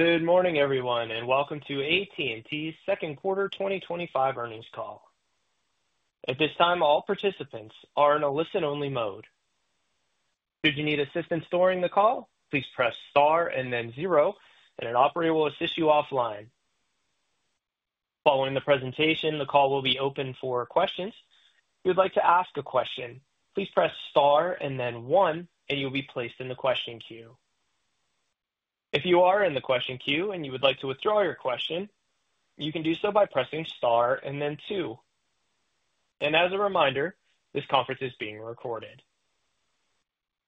Good morning, everyone, and welcome to AT&T's Second Quarter 2025 Earnings Call. At this time, all participants are in a listen-only mode. Should you need assistance during the call, please press star and then zero, and an operator will assist you offline. Following the presentation, the call will be open for questions. If you would like to ask a question, please press star and then one, and you'll be placed in the question queue. If you are in the question queue and you would like to withdraw your question, you can do so by pressing star and then two. And as a reminder, this conference is being recorded.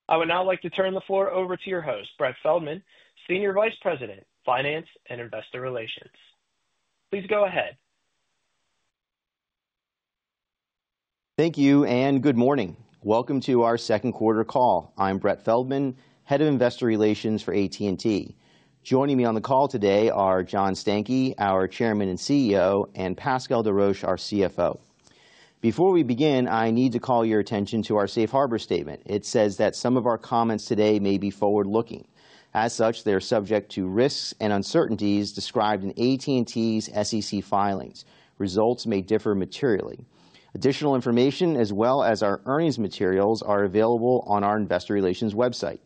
I would now like to turn the floor over to your host, Brett Feldman, Senior Vice President, Finance and Investor Relations. Please go ahead. Thank you and good morning. Welcome to our second quarter call. I'm Brett Feldman, Head of Investor Relations for AT&T. Joining me on the call today are John Stankey, our Chairman and CEO, and Pascal Desroches, our CFO. Before we begin, I need to call your attention to our Safe Harbor statement. It says that some of our comments today may be forward-looking. As such, they're subject to risks and uncertainties described in AT&T's SEC filings. Results may differ materially. Additional information, as well as our earnings materials, are available on our investor relations website.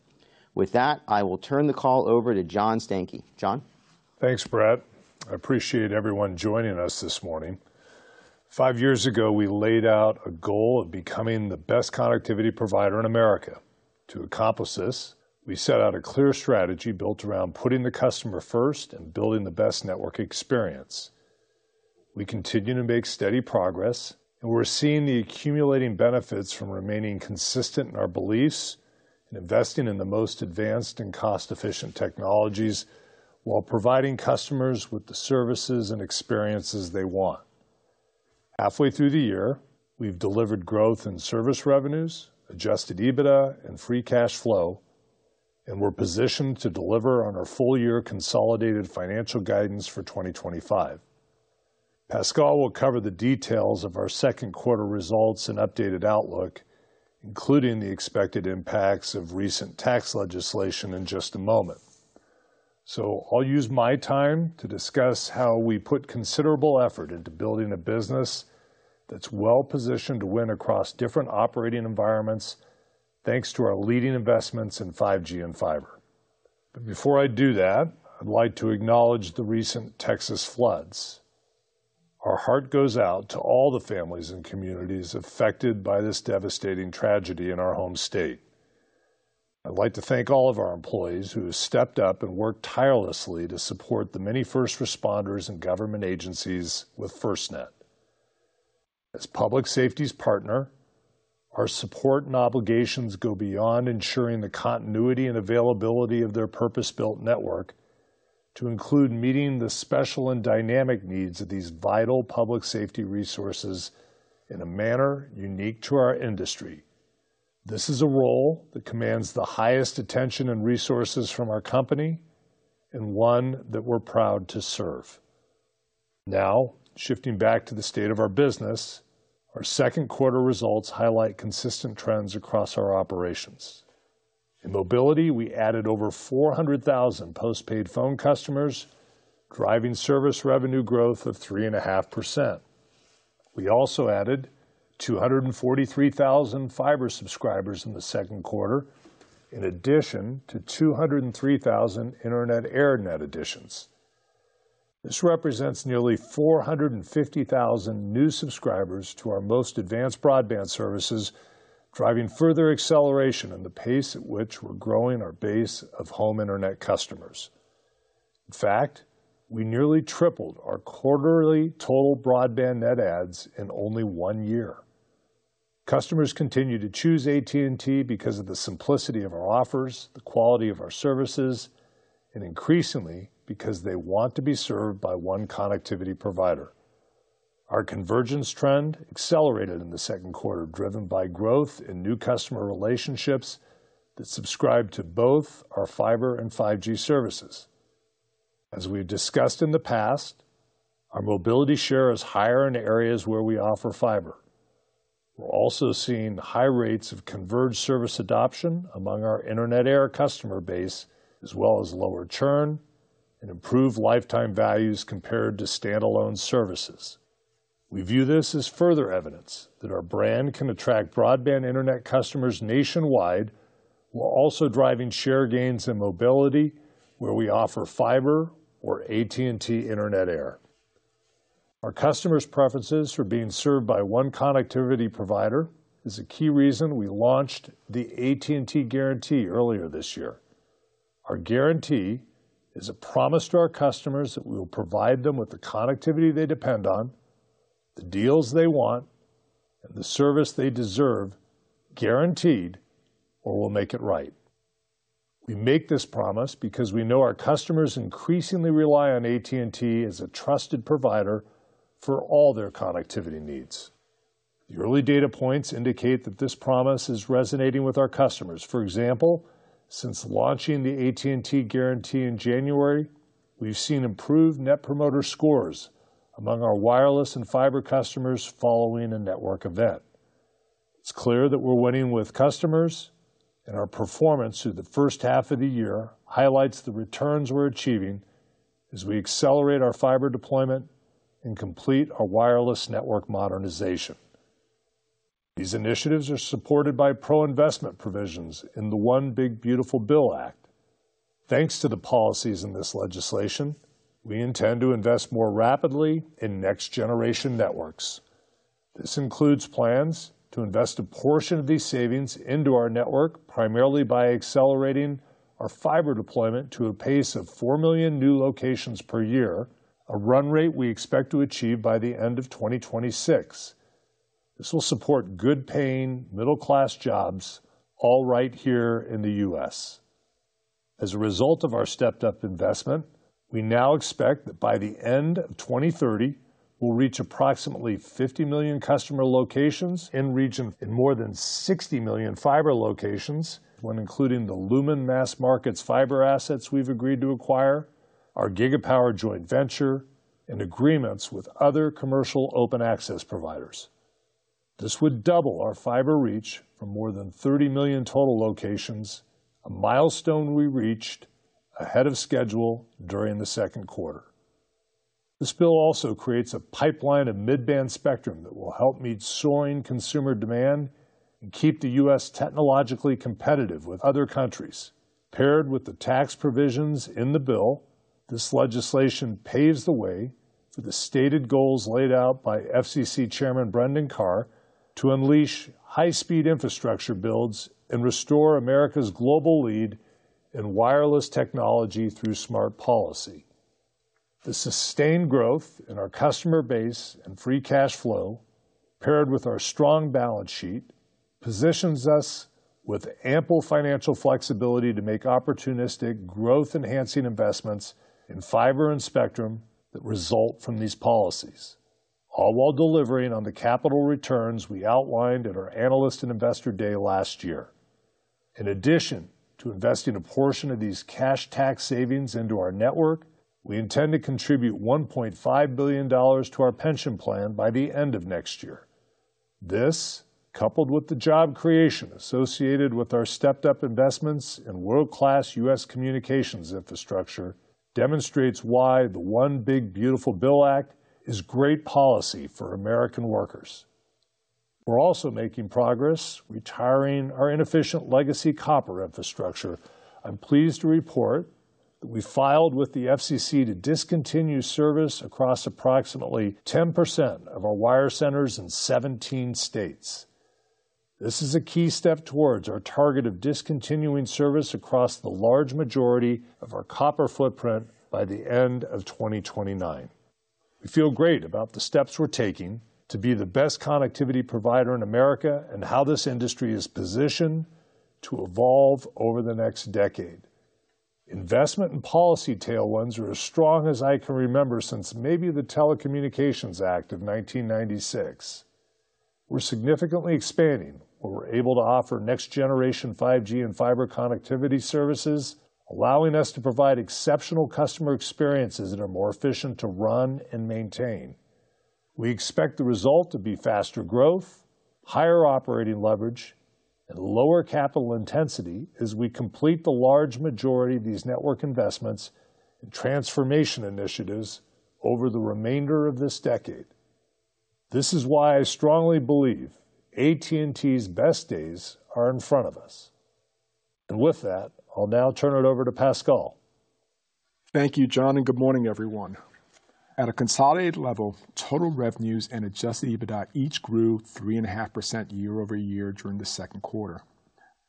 With that, I will turn the call over to John Stankey. John. Thanks, Brett. I appreciate everyone joining us this morning. Five years ago, we laid out a goal of becoming the best connectivity provider in America. To accomplish this, we set out a clear strategy built around putting the customer first and building the best network experience. We continue to make steady progress, and we're seeing the accumulating benefits from remaining consistent in our beliefs and investing in the most advanced and cost-efficient technologies while providing customers with the services and experiences they want. Halfway through the year, we've delivered growth in service revenues, adjusted EBITDA, and free cash flow, and we're positioned to deliver on our full-year consolidated financial guidance for 2025. Pascal will cover the details of our second quarter results and updated outlook, including the expected impacts of recent tax legislation in just a moment. So I'll use my time to discuss how we put considerable effort into building a business that's well-positioned to win across different operating environments, thanks to our leading investments in 5G and fiber. But before I do that, I'd like to acknowledge the recent Texas floods. Our heart goes out to all the families and communities affected by this devastating tragedy in our home state. I'd like to thank all of our employees who have stepped up and worked tirelessly to support the many first responders and government agencies with FirstNet. As public safety's partner, our support and obligations go beyond ensuring the continuity and availability of their purpose-built network to include meeting the special and dynamic needs of these vital public safety resources in a manner unique to our industry. This is a role that commands the highest attention and resources from our company and one that we're proud to serve. Now, shifting back to the state of our business, our second quarter results highlight consistent trends across our operations. In Mobility, we added over 400,000 postpaid phone customers, driving service revenue growth of 3.5%. We also added 243,000 fiber subscribers in the second quarter, in addition to 203,000 Internet Air net additions. This represents nearly 450,000 new subscribers to our most advanced broadband services, driving further acceleration in the pace at which we're growing our base of home internet customers. In fact, we nearly tripled our quarterly total broadband net adds in only one year. Customers continue to choose AT&T because of the simplicity of our offers, the quality of our services, and increasingly because they want to be served by one connectivity provider. Our convergence trend accelerated in the second quarter, driven by growth in new customer relationships that subscribe to both our fiber and 5G services. As we've discussed in the past, our Mobility share is higher in areas where we offer fiber. We're also seeing high rates of converged service adoption among our AT&T Internet Air customer base, as well as lower churn and improved lifetime values compared to standalone services. We view this as further evidence that our brand can attract broadband internet customers nationwide, while also driving share gains in Mobility where we offer fiber or AT&T Internet Air. Our customers' preferences for being served by one connectivity provider is a key reason we launched the AT&T Guarantee earlier this year. Our guarantee is a promise to our customers that we will provide them with the connectivity they depend on, the deals they want, and the service they deserve, guaranteed or we'll make it right. We make this promise because we know our customers increasingly rely on AT&T as a trusted provider for all their connectivity needs. The early data points indicate that this promise is resonating with our customers. For example, since launching the AT&T Guarantee in January, we've seen improved net promoter scores among our wireless and fiber customers following a network event. It's clear that we're winning with customers, and our performance through the first half of the year highlights the returns we're achieving as we accelerate our fiber deployment and complete our wireless network modernization. These initiatives are supported by pro-investment provisions in the One Big Beautiful Bill Act. Thanks to the policies in this legislation, we intend to invest more rapidly in next-generation networks. This includes plans to invest a portion of these savings into our network, primarily by accelerating our fiber deployment to a pace of four million new locations per year, a run rate we expect to achieve by the end of 2026. This will support good-paying, middle-class jobs all right here in the U.S. As a result of our stepped-up investment, we now expect that by the end of 2030, we'll reach approximately 50 million customer locations in region. In more than 60 million fiber locations. When including the Lumen Mass Markets fiber assets we've agreed to acquire, our Gigapower joint venture, and agreements with other commercial open access providers. This would double our fiber reach from more than 30 million total locations, a milestone we reached ahead of schedule during the second quarter. This bill also creates a pipeline of mid-band spectrum that will help meet soaring consumer demand and keep the U.S. technologically competitive with other countries. Paired with the tax provisions in the bill, this legislation paves the way for the stated goals laid out by FCC Chairman Brendan Carr to unleash high-speed infrastructure builds and restore America's global lead in wireless technology through smart policy. The sustained growth in our customer base and free cash flow, paired with our strong balance sheet, positions us with ample financial flexibility to make opportunistic, growth-enhancing investments in fiber and spectrum that result from these policies, all while delivering on the capital returns we outlined at our Analyst and Investor Day last year. In addition to investing a portion of these cash tax savings into our network, we intend to contribute $1.5 billion to our pension plan by the end of next year. This, coupled with the job creation associated with our stepped-up investments in world-class U.S. communications infrastructure, demonstrates why the One Big Beautiful Bill Act is great policy for American workers. We're also making progress retiring our inefficient legacy copper infrastructure. I'm pleased to report that we filed with the FCC to discontinue service across approximately 10% of our wire centers in 17 states. This is a key step towards our target of discontinuing service across the large majority of our copper footprint by the end of 2029. We feel great about the steps we're taking to be the best connectivity provider in America and how this industry is positioned to evolve over the next decade. Investment and policy tailwinds are as strong as I can remember since maybe the Telecommunications Act of 1996. We're significantly expanding where we're able to offer next-generation 5G and fiber connectivity services, allowing us to provide exceptional customer experiences that are more efficient to run and maintain. We expect the result to be faster growth, higher operating leverage, and lower capital intensity as we complete the large majority of these network investments and transformation initiatives over the remainder of this decade. This is why I strongly believe AT&T's best days are in front of us. And with that, I'll now turn it over to Pascal. Thank you, John, and good morning, everyone. At a consolidated level, total revenues and adjusted EBITDA each grew 3.5% year-over-year during the second quarter.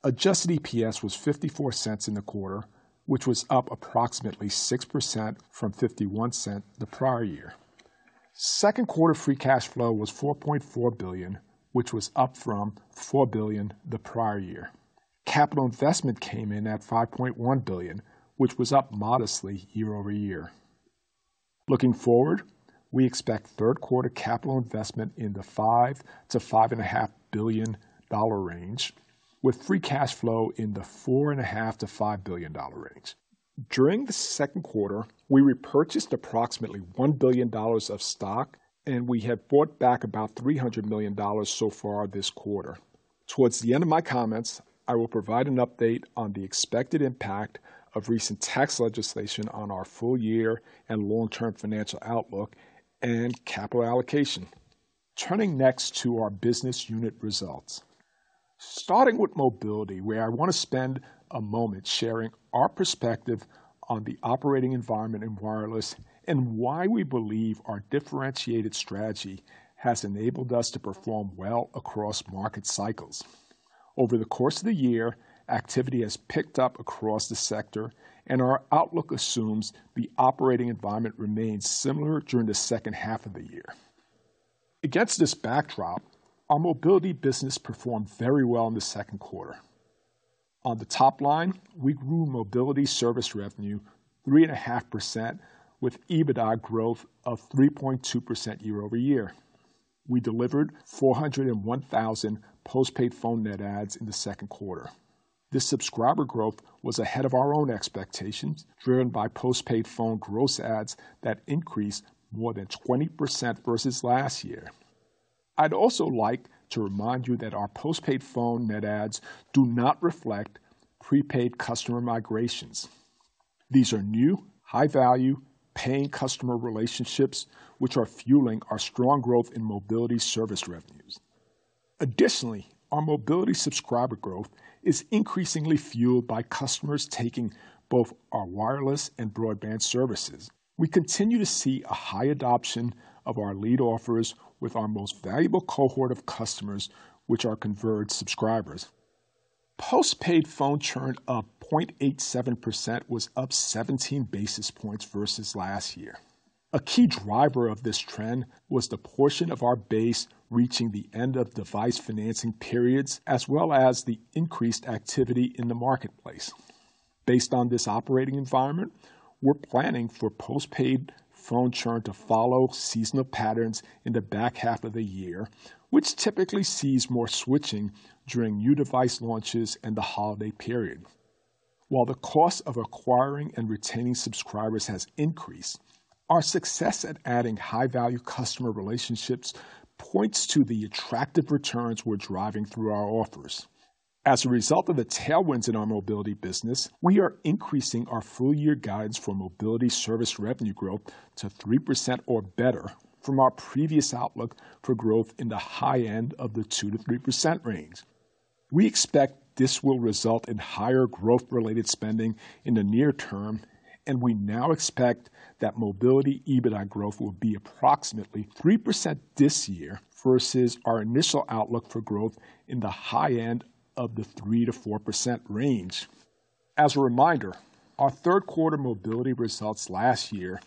Adjusted EPS was $0.54 in the quarter, which was up approximately 6% from $0.51 the prior year. Second quarter free cash flow was $4.4 billion, which was up from $4 billion the prior year. Capital investment came in at $5.1 billion, which was up modestly year-over-year. Looking forward, we expect third quarter capital investment in the $5 billion-$5.5 billion range, with free cash flow in the $4.5 billion-$5 billion range. During the second quarter, we repurchased approximately $1 billion of stock, and we have bought back about $300 million so far this quarter. Towards the end of my comments, I will provide an update on the expected impact of recent tax legislation on our full-year and long-term financial outlook and capital allocation. Turning next to our business unit results. Starting with Mobility, where I want to spend a moment sharing our perspective on the operating environment in wireless and why we believe our differentiated strategy has enabled us to perform well across market cycles. Over the course of the year, activity has picked up across the sector, and our outlook assumes the operating environment remains similar during the second half of the year. Against this backdrop, our Mobility business performed very well in the second quarter. On the top line, we grew Mobility service revenue 3.5% with EBITDA growth of 3.2% year-over-year. We delivered 401,000 postpaid phone net adds in the second quarter. This subscriber growth was ahead of our own expectations, driven by postpaid phone gross adds that increased more than 20% versus last year. I'd also like to remind you that our postpaid phone net adds do not reflect prepaid customer migrations. These are new, high-value, paying customer relationships, which are fueling our strong growth in Mobility service revenues. Additionally, our Mobility subscriber growth is increasingly fueled by customers taking both our wireless and broadband services. We continue to see a high adoption of our lead offers with our most valuable cohort of customers, which are converged subscribers. Postpaid phone churn of 0.87% was up 17 basis points versus last year. A key driver of this trend was the portion of our base reaching the end of device financing periods, as well as the increased activity in the marketplace. Based on this operating environment, we're planning for postpaid phone churn to follow seasonal patterns in the back half of the year, which typically sees more switching during new device launches and the holiday period. While the cost of acquiring and retaining subscribers has increased, our success at adding high-value customer relationships points to the attractive returns we're driving through our offers. As a result of the tailwinds in our Mobility business, we are increasing our full-year guidance for Mobility service revenue growth to 3% or better from our previous outlook for growth in the high end of the 2%-3% range. We expect this will result in higher growth-related spending in the near term, and we now expect that Mobility EBITDA growth will be approximately 3% this year versus our initial outlook for growth in the high end of the 3%-4% range. As a reminder, our third quarter Mobility results last year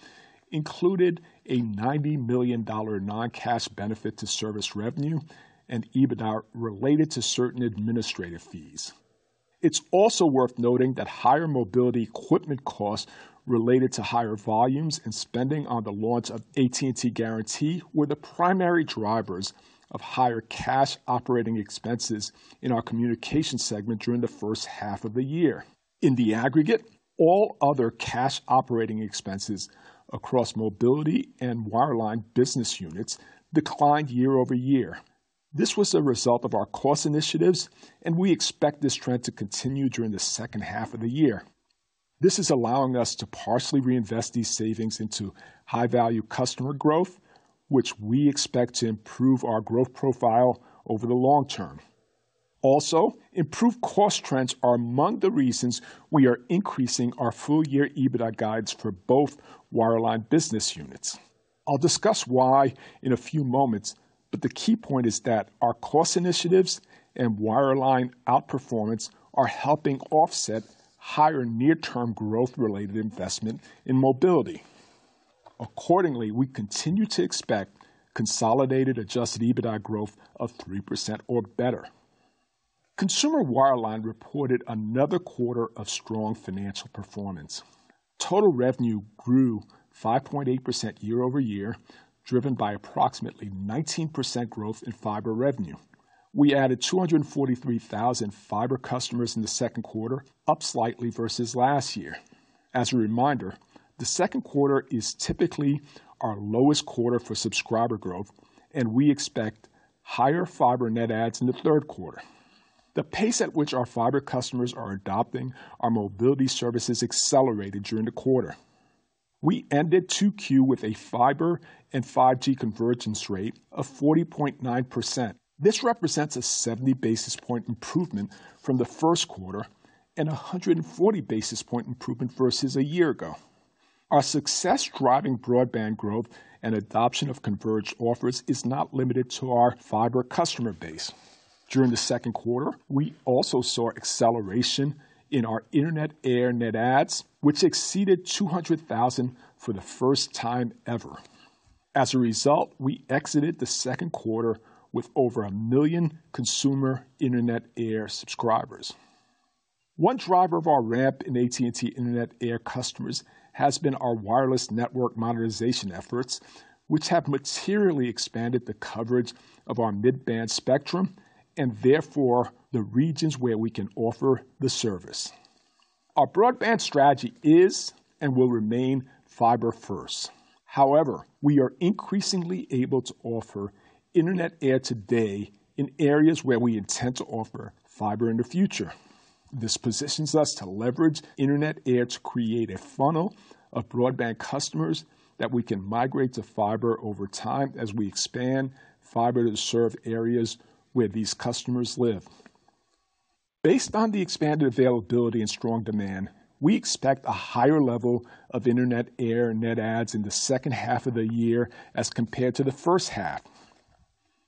included a $90 million non-cash benefit to service revenue and EBITDA related to certain administrative fees. It's also worth noting that higher Mobility equipment costs related to higher volumes and spending on the launch of AT&T Guarantee were the primary drivers of higher cash operating expenses in our Communication segment during the first half of the year. In the aggregate, all other cash operating expenses across Mobility and Wireline business units declined year over year. This was a result of our cost initiatives, and we expect this trend to continue during the second half of the year. This is allowing us to partially reinvest these savings into high-value customer growth, which we expect to improve our growth profile over the long term. Also, improved cost trends are among the reasons we are increasing our full-year EBITDA guidance for both Wireline business units. I'll discuss why in a few moments, but the key point is that our cost initiatives and Wireline outperformance are helping offset higher near-term growth-related investment in Mobility. Accordingly, we continue to expect consolidated adjusted EBITDA growth of 3% or better. Consumer Wireline reported another quarter of strong financial performance. Total revenue grew 5.8% year-over-year, driven by approximately 19% growth in fiber revenue. We added 243,000 fiber customers in the second quarter, up slightly versus last year. As a reminder, the second quarter is typically our lowest quarter for subscriber growth, and we expect higher fiber net adds in the third quarter. The pace at which our fiber customers are adopting our Mobility services accelerated during the quarter. We ended Q2 with a fiber and 5G convergence rate of 40.9%. This represents a 70 basis point improvement from the first quarter and a 140 basis point improvement versus a year ago. Our success driving broadband growth and adoption of converged offers is not limited to our fiber customer base. During the second quarter, we also saw acceleration in our Internet Air net adds, which exceeded 200,000 for the first time ever. As a result, we exited the second quarter with over a million consumer Internet Air subscribers. One driver of our ramp in AT&T Internet Air customers has been our wireless network monetization efforts, which have materially expanded the coverage of our mid-band spectrum and therefore the regions where we can offer the service. Our broadband strategy is and will remain fiber-first. However, we are increasingly able to offer Internet Air today in areas where we intend to offer fiber in the future. This positions us to leverage Internet Air to create a funnel of broadband customers that we can migrate to fiber over time as we expand fiber to serve areas where these customers live. Based on the expanded availability and strong demand, we expect a higher level of Internet Air net adds in the second half of the year as compared to the first half.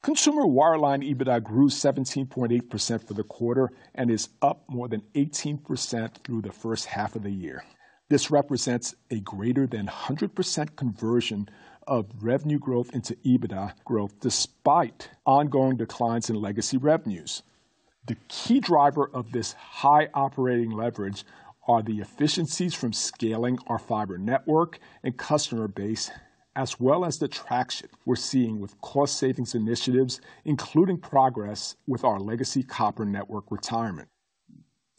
Consumer Wireline EBITDA grew 17.8% for the quarter and is up more than 18% through the first half of the year. This represents a greater than 100% conversion of revenue growth into EBITDA growth despite ongoing declines in legacy revenues. The key driver of this high operating leverage are the efficiencies from scaling our fiber network and customer base, as well as the traction we're seeing with cost savings initiatives, including progress with our legacy copper network retirement.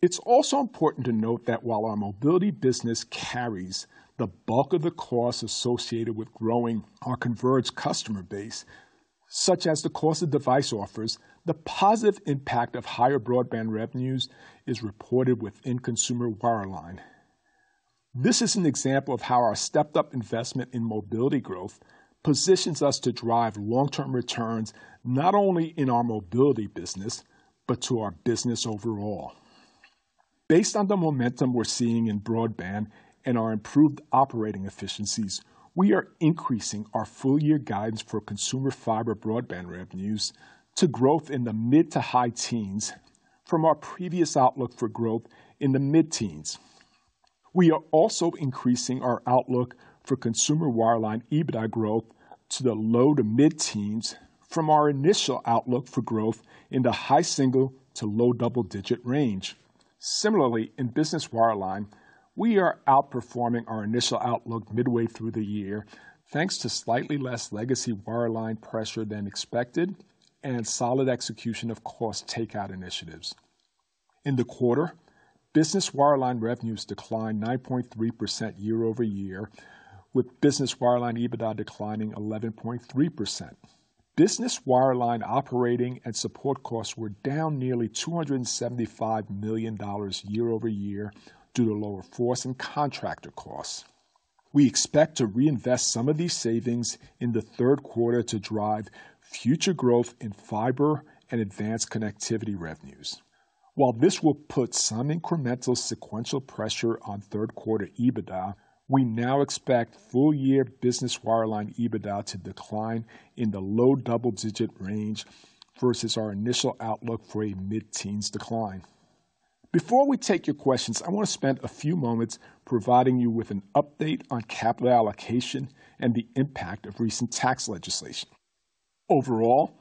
It's also important to note that while our Mobility business carries the bulk of the cost associated with growing our converged customer base, such as the cost of device offers, the positive impact of higher broadband revenues is reported within Consumer Wireline. This is an example of how our stepped-up investment in Mobility growth positions us to drive long-term returns not only in our Mobility business, but to our business overall. Based on the momentum we're seeing in broadband and our improved operating efficiencies, we are increasing our full-year guidance for consumer fiber broadband revenues to growth in the mid to high teens from our previous outlook for growth in the mid-teens. We are also increasing our outlook for Consumer Wireline EBITDA growth to the low to mid-teens from our initial outlook for growth in the high-single-to-low-double-digit range. Similarly, in Business Wireline, we are outperforming our initial outlook midway through the year, thanks to slightly less legacy wireline pressure than expected and solid execution of cost takeout initiatives. In the quarter, Business Wireline revenues declined 9.3% year-over-year, with Business Wireline EBITDA declining 11.3%. Business Wireline operating and support costs were down nearly $275 million year-over-year due to lower force and contractor costs. We expect to reinvest some of these savings in the third quarter to drive future growth in fiber and advanced connectivity revenues. While this will put some incremental sequential pressure on third quarter EBITDA, we now expect full-year business Wireline EBITDA to decline in the low-double-digit range versus our initial outlook for a mid-teens decline. Before we take your questions, I want to spend a few moments providing you with an update on capital allocation and the impact of recent tax legislation. Overall,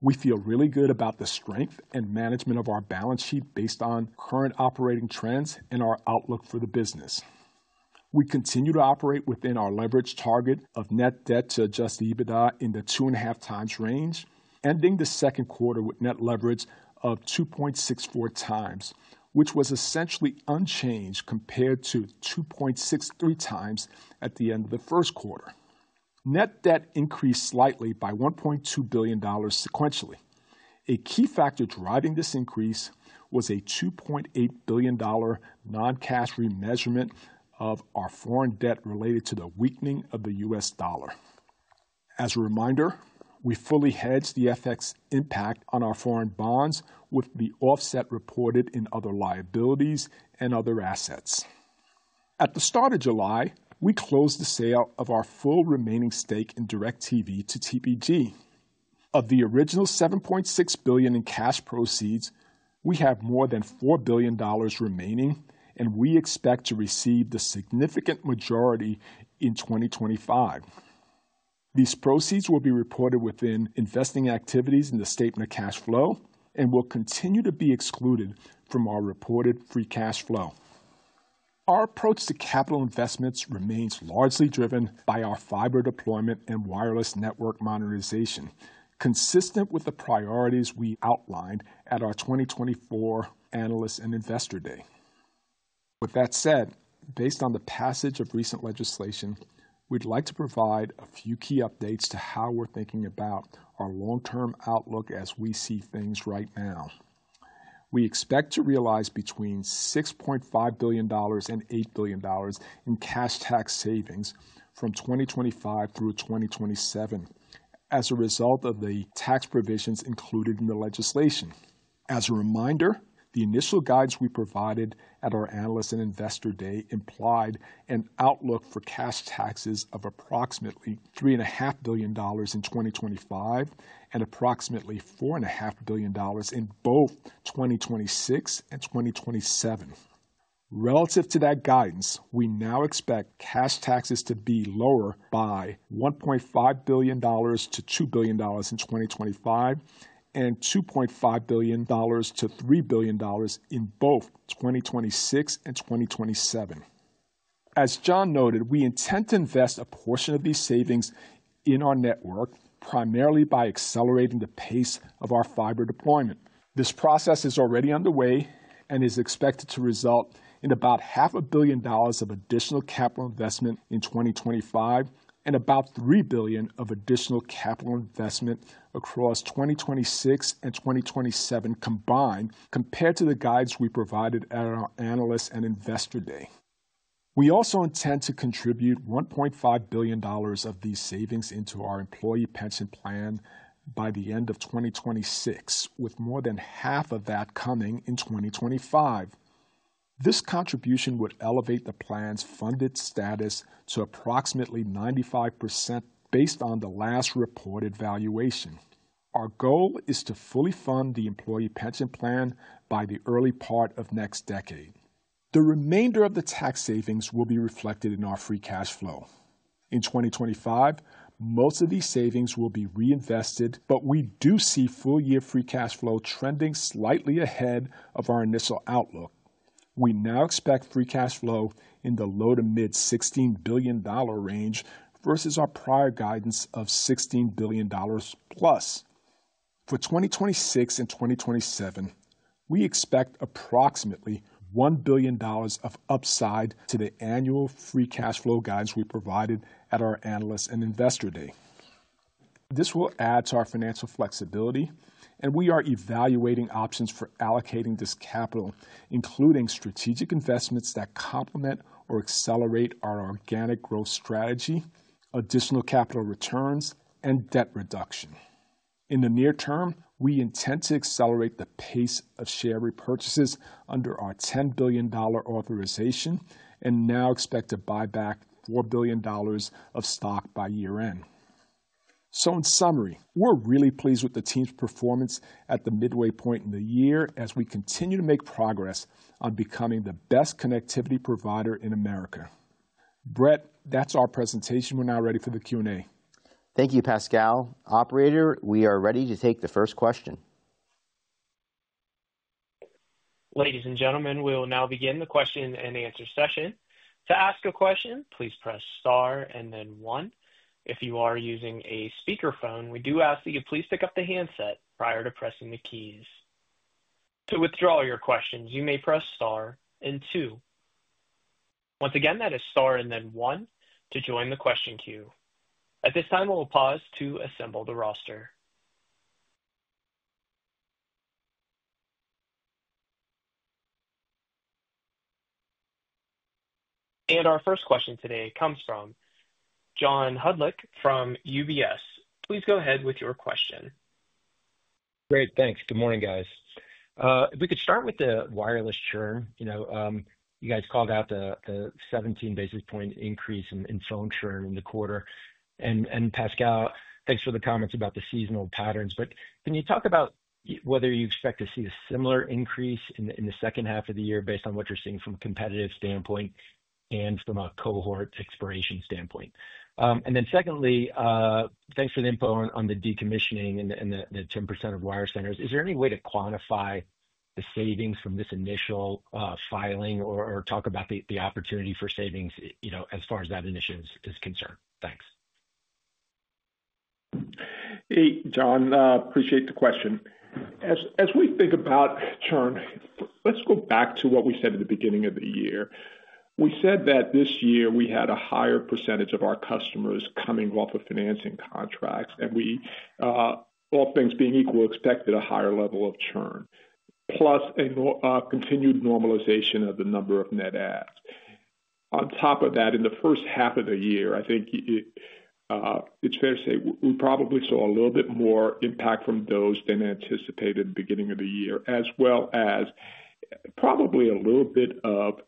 we feel really good about the strength and management of our balance sheet based on current operating trends and our outlook for the business. We continue to operate within our leverage target of net debt to adjust EBITDA in the 2.5x range, ending the second quarter with net leverage of 2.64x, which was essentially unchanged compared to 2.63x at the end of the first quarter. Net debt increased slightly by $1.2 billion sequentially. A key factor driving this increase was a $2.8 billion non-cash remeasurement of our foreign debt related to the weakening of the US dollar. As a reminder, we fully hedge the FX impact on our foreign bonds with the offset reported in other liabilities and other assets. At the start of July, we closed the sale of our full remaining stake in DIRECTV to TPG. Of the original $7.6 billion in cash proceeds, we have more than $4 billion remaining, and we expect to receive the significant majority in 2025. These proceeds will be reported within investing activities in the statement of cash flow and will continue to be excluded from our reported free cash flow. Our approach to capital investments remains largely driven by our fiber deployment and wireless network monetization, consistent with the priorities we outlined at our 2024 Analysts and Investor Day. With that said, based on the passage of recent legislation, we'd like to provide a few key updates to how we're thinking about our long-term outlook as we see things right now. We expect to realize between $6.5 billion-$8 billion in cash tax savings from 2025 through 2027 as a result of the tax provisions included in the legislation. As a reminder, the initial guidance we provided at our Analysts and Investor Day implied an outlook for cash taxes of approximately $3.5 billion in 2025 and approximately $4.5 billion in both 2026 and 2027. Relative to that guidance, we now expect cash taxes to be lower by $1.5 billion-$2 billion in 2025 and $2.5 billion-$3 billion in both 2026 and 2027. As John noted, we intend to invest a portion of these savings in our network primarily by accelerating the pace of our fiber deployment. This process is already underway and is expected to result in about $0.5 billion dollars of additional capital investment in 2025 and about $3 billion of additional capital investment across 2026 and 2027 combined compared to the guidance we provided at our Analysts and Investor Day. We also intend to contribute $1.5 billion of these savings into our employee pension plan by the end of 2026, with more than half of that coming in 2025. This contribution would elevate the plan's funded status to approximately 95% based on the last reported valuation. Our goal is to fully fund the employee pension plan by the early part of next decade. The remainder of the tax savings will be reflected in our free cash flow. In 2025, most of these savings will be reinvested, but we do see full-year free cash flow trending slightly ahead of our initial outlook. We now expect free cash flow in the low to mid $16 billion range versus our prior guidance of $16+ billion. For 2026 and 2027, we expect approximately $1 billion of upside to the annual free cash flow guidance we provided at our Analysts and Investor Day. This will add to our financial flexibility, and we are evaluating options for allocating this capital, including strategic investments that complement or accelerate our organic growth strategy, additional capital returns, and debt reduction. In the near term, we intend to accelerate the pace of share repurchases under our $10 billion authorization and now expect to buy back $4 billion of stock by year-end. So, in summary, we're really pleased with the team's performance at the midway point in the year as we continue to make progress on becoming the best connectivity provider in America. Brett, that's our presentation. We're now ready for the Q&A. Thank you, Pascal. Operator, we are ready to take the first question. Ladies and gentlemen, we will now begin the Q&A session. To ask a question, please press star and then one. If you are using a speakerphone, we do ask that you please pick up the handset prior to pressing the keys. To withdraw your questions, you may press star and two. Once again, that is star and then one to join the question queue. At this time, we'll pause to assemble the roster. And our first question today comes from John Hodulik from UBS. Please go ahead with your question. Great, thanks. Good morning, guys. If we could start with the wireless churn, you know, you guys called out the 17-basis-point increase in phone churn in the quarter. And Pascal, thanks for the comments about the seasonal patterns, but can you talk about whether you expect to see a similar increase in the second half of the year based on what you're seeing from a competitive standpoint and from a cohort expiration standpoint? And then secondly, thanks for the info on the decommissioning and the 10% of wire centers. Is there any way to quantify the savings from this initial filing or talk about the opportunity for savings, you know, as far as that initiative is concerned? Thanks. Hey, John, appreciate the question. As we think about churn, let's go back to what we said at the beginning of the year. We said that this year we had a higher percentage of our customers coming off of financing contracts, and we, all things being equal, expected a higher level of churn, plus a continued normalization of the number of net adds. On top of that, in the first half of the year, I think it's fair to say we probably saw a little bit more impact from those than anticipated at the beginning of the year, as well as probably a little bit of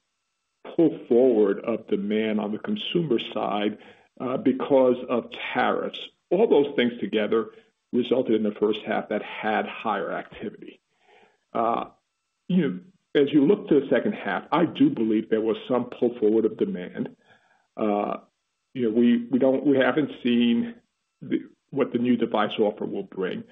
pull forward of demand on the consumer side because of tariffs. All those things together resulted in the first half that had higher activity. You know, as you look to the second half, I do believe there was some pull forward of demand. You know, we haven't seen what the new device offer will bring,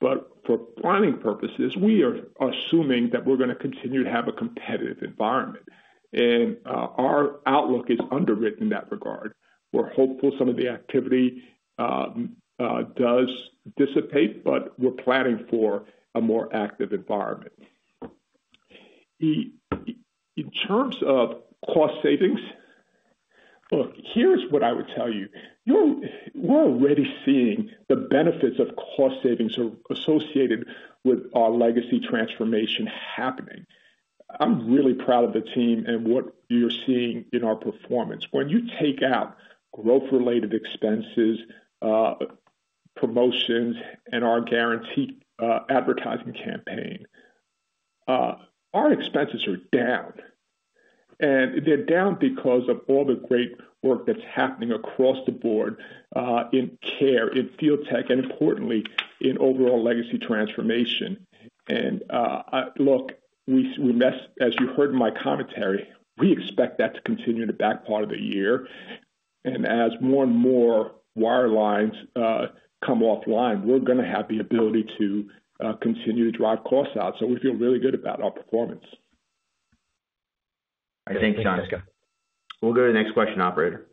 but for planning purposes, we are assuming that we're going to continue to have a competitive environment. And our outlook is underwritten in that regard. We're hopeful some of the activity does dissipate, but we're planning for a more active environment. In terms of cost savings, look, here's what I would tell you. We're already seeing the benefits of cost savings associated with our legacy transformation happening. I'm really proud of the team and what you're seeing in our performance. When you take out growth-related expenses, promotions, and our guaranteed advertising campaign, our expenses are down. And they're down because of all the great work that's happening across the board in care, in field tech, and importantly, in overall legacy transformation. And look, as you heard in my commentary, we expect that to continue in the back part of the year. And as more and more wirelines come offline, we're going to have the ability to continue to drive costs out. So we feel really good about our performance. Thanks, John. We'll go to the next question, Operator.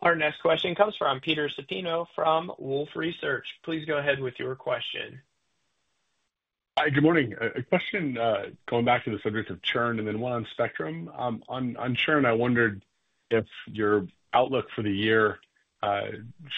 Our next question comes from Peter Supino from Wolfe Research. Please go ahead with your question. Hi, good morning. A question going back to the subject of churn and then one on spectrum. On churn, I wondered if your outlook for the year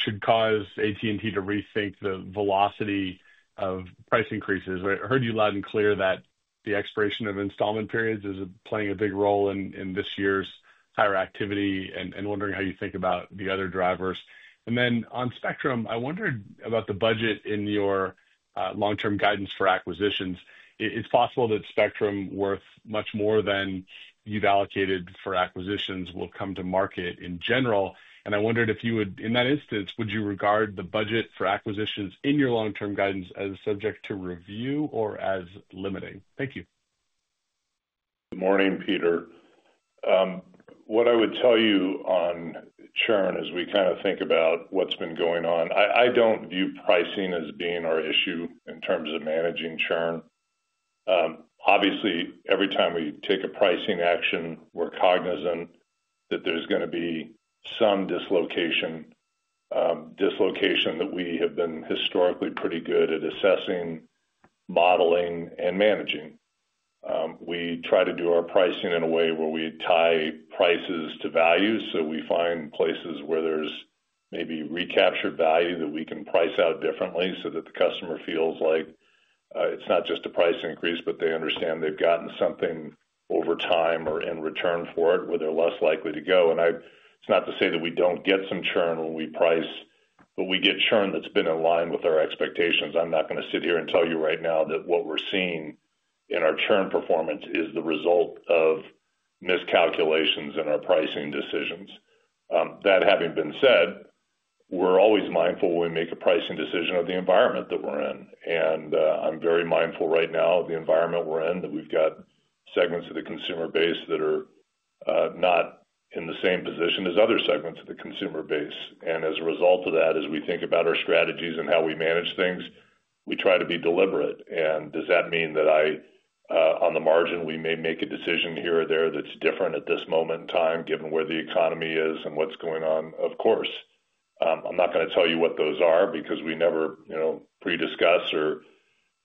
should cause AT&T to rethink the velocity of price increases. I heard you loud and clear that the expiration of installment periods is playing a big role in this year's higher activity and wondering how you think about the other drivers. And then on spectrum, I wondered about the budget in your long-term guidance for acquisitions. It's possible that spectrum worth much more than you've allocated for acquisitions will come to market in general. And I wondered if you would, in that instance, would you regard the budget for acquisitions in your long-term guidance as subject to review or as limiting? Thank you. Good morning, Peter. What I would tell you on churn as we kind of think about what's been going on, I don't view pricing as being our issue in terms of managing churn. Obviously, every time we take a pricing action, we're cognizant that there's going to be some dislocation that we have been historically pretty good at assessing, modeling, and managing. We try to do our pricing in a way where we tie prices to value. So we find places where there's maybe recaptured value that we can price out differently so that the customer feels like it's not just a price increase, but they understand they've gotten something over time or in return for it where they're less likely to go. And it's not to say that we don't get some churn when we price, but we get churn that's been in line with our expectations. I'm not going to sit here and tell you right now that what we're seeing in our churn performance is the result of miscalculations in our pricing decisions. That having been said, we're always mindful when we make a pricing decision of the environment that we're in. And I'm very mindful right now of the environment we're in, that we've got segments of the consumer base that are not in the same position as other segments of the consumer base. And as a result of that, as we think about our strategies and how we manage things, we try to be deliberate. And does that mean that I, on the margin, we may make a decision here or there that's different at this moment in time, given where the economy is and what's going on? Of course. I'm not going to tell you what those are because we never prediscuss or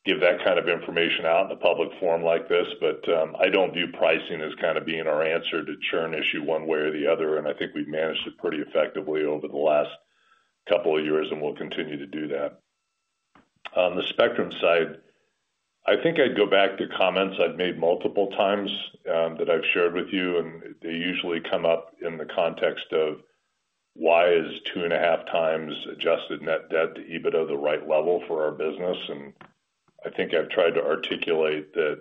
give that kind of information out in a public forum like this. But I don't view pricing as kind of being our answer to churn issue one way or the other. And I think we've managed it pretty effectively over the last couple of years and will continue to do that. On the spectrum side, I think I'd go back to comments I've made multiple times that I've shared with you, and they usually come up in the context of why is 2.5x adjusted net debt to EBITDA the right level for our business? And I think I've tried to articulate that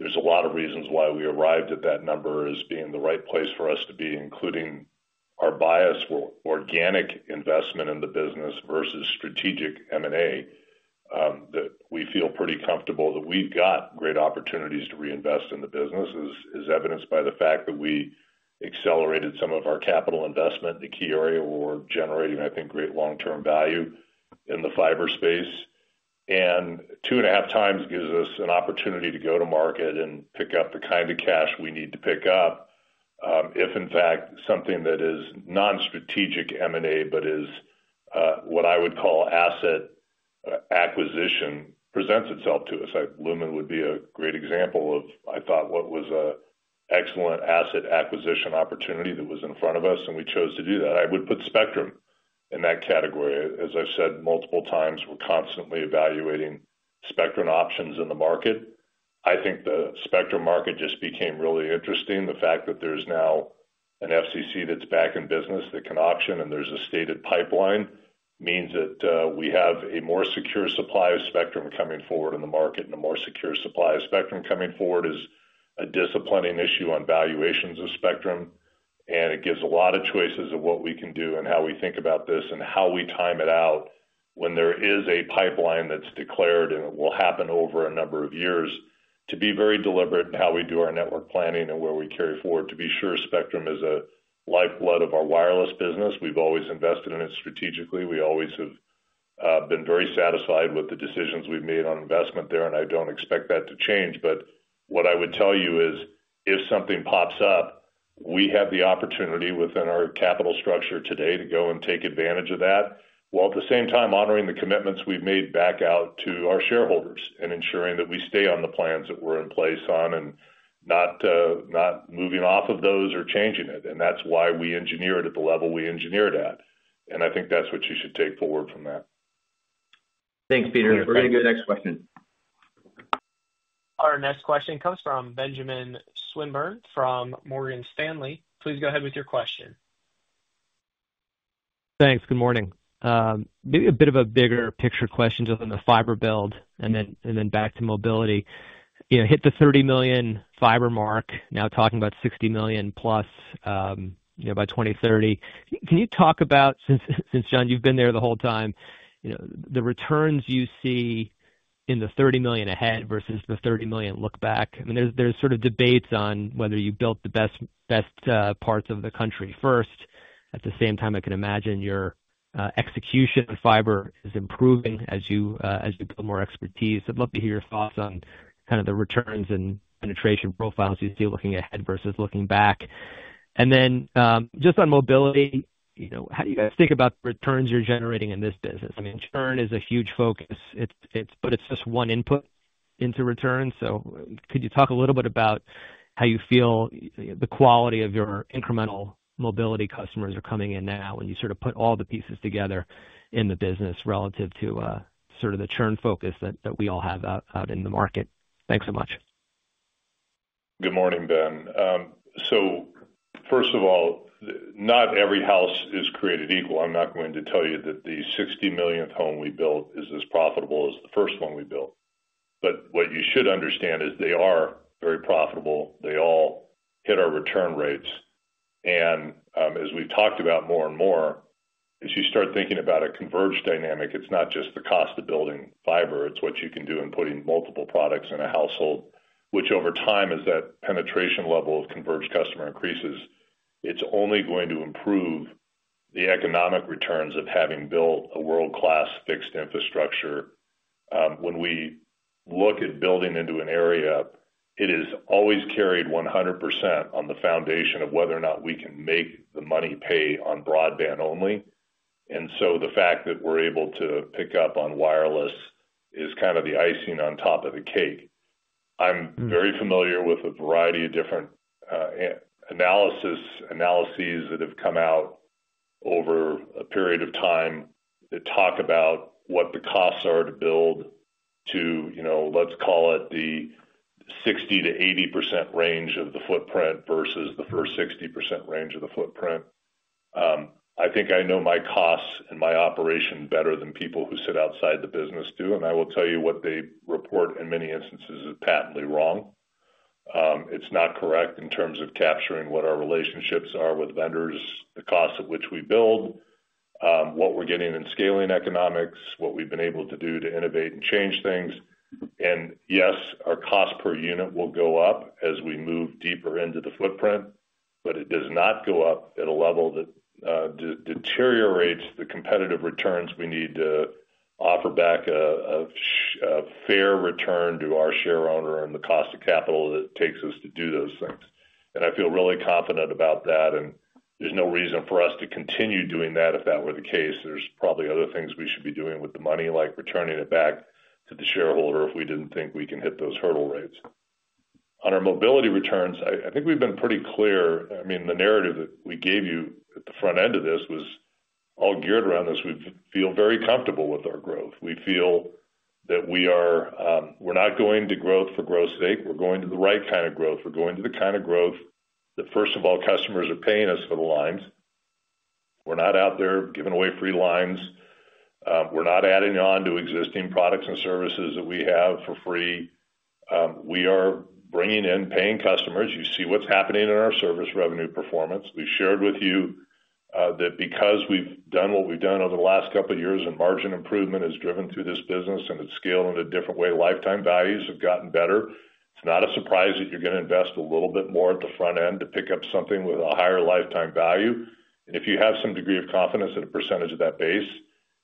there's a lot of reasons why we arrived at that number as being the right place for us to be, including our bias for organic investment in the business versus strategic M&A, that we feel pretty comfortable that we've got great opportunities to reinvest in the business, as evidenced by the fact that we accelerated some of our capital investment in the key area where we're generating, I think, great long-term value in the fiber space. And two and a half times gives us an opportunity to go to market and pick up the kind of cash we need to pick up if, in fact, something that is non-strategic M&A, but is what I would call asset acquisition, presents itself to us. Lumen would be a great example of, I thought, what was an excellent asset acquisition opportunity that was in front of us, and we chose to do that. I would put spectrum in that category. As I've said multiple times, we're constantly evaluating spectrum options in the market. I think the spectrum market just became really interesting. The fact that there's now an FCC that's back in business that can auction and there's a stated pipeline means that we have a more secure supply of spectrum coming forward in the market, and a more secure supply of spectrum coming forward is a disciplining issue on valuations of spectrum. And it gives a lot of choices of what we can do and how we think about this and how we time it out when there is a pipeline that's declared and it will happen over a number of years to be very deliberate in how we do our network planning and where we carry forward to be sure spectrum is a lifeblood of our wireless business. We've always invested in it strategically. We always have been very satisfied with the decisions we've made on investment there, and I don't expect that to change. But what I would tell you is if something pops up, we have the opportunity within our capital structure today to go and take advantage of that while at the same time honoring the commitments we've made back out to our shareholders and ensuring that we stay on the plans that we're in place on and not moving off of those or changing it. And that's why we engineer it at the level we engineer it at. And I think that's what you should take forward from that. Thanks, Peter. We're going to go to the next question. Our next question comes from Benjamin Swinburne from Morgan Stanley. Please go ahead with your question. Thanks. Good morning. Maybe a bit of a bigger picture question just on the fiber build and then back to Mobility. Hit the 30 million fiber mark, now talking about 60+ million by 2030. Can you talk about, since John, you've been there the whole time, the returns you see in the 30 million ahead versus the 30 million look back? I mean, there's sort of debates on whether you built the best parts of the country first. At the same time, I can imagine your execution of fiber is improving as you build more expertise. I'd love to hear your thoughts on kind of the returns and penetration profiles you see looking ahead versus looking back. And then just on Mobility, how do you guys think about the returns you're generating in this business? I mean, churn is a huge focus, but it's just one input into return. Could you talk a little bit about how you feel the quality of your incremental Mobility customers are coming in now when you sort of put all the pieces together in the business relative to sort of the churn focus that we all have out in the market? Thanks so much. Good morning, Ben. First of all, not every house is created equal. I'm not going to tell you that the 60 millionth home we built is as profitable as the first one we built. But what you should understand is they are very profitable. They all hit our return rates. And as we've talked about more and more, as you start thinking about a converged dynamic, it's not just the cost of building fiber. It's what you can do in putting multiple products in a household, which over time as that penetration level of converged customer increases, it's only going to improve the economic returns of having built a world-class fixed infrastructure. When we look at building into an area, it has always carried 100% on the foundation of whether or not we can make the money pay on broadband only. And so the fact that we're able to pick up on wireless is kind of the icing on top of the cake. I'm very familiar with a variety of different analyses that have come out over a period of time that talk about what the costs are to build to, let's call it, the 60%-80% range of the footprint versus the first 60% range of the footprint. I think I know my costs and my operation better than people who sit outside the business do. And I will tell you what they report in many instances is patently wrong. It's not correct in terms of capturing what our relationships are with vendors, the cost of which we build, what we're getting in scaling economics, what we've been able to do to innovate and change things. And yes, our cost per unit will go up as we move deeper into the footprint, but it does not go up at a level that deteriorates the competitive returns. We need to offer back a fair return to our shareholder and the cost of capital that it takes us to do those things. And I feel really confident about that. And there's no reason for us to continue doing that if that were the case. There's probably other things we should be doing with the money, like returning it back to the shareholder if we didn't think we can hit those hurdle rates. On our Mobility returns, I think we've been pretty clear. I mean, the narrative that we gave you at the front end of this was all geared around this. We feel very comfortable with our growth. We feel that we're not going to growth for growth's sake. We're going to the right kind of growth. We're going to the kind of growth that, first of all, customers are paying us for the lines. We're not out there giving away free lines. We're not adding on to existing products and services that we have for free. We are bringing in paying customers. You see what's happening in our service revenue performance. We shared with you that because we've done what we've done over the last couple of years and margin improvement has driven through this business and it's scaled in a different way, lifetime values have gotten better. It's not a surprise that you're going to invest a little bit more at the front end to pick up something with a higher lifetime value. And if you have some degree of confidence that a percentage of that base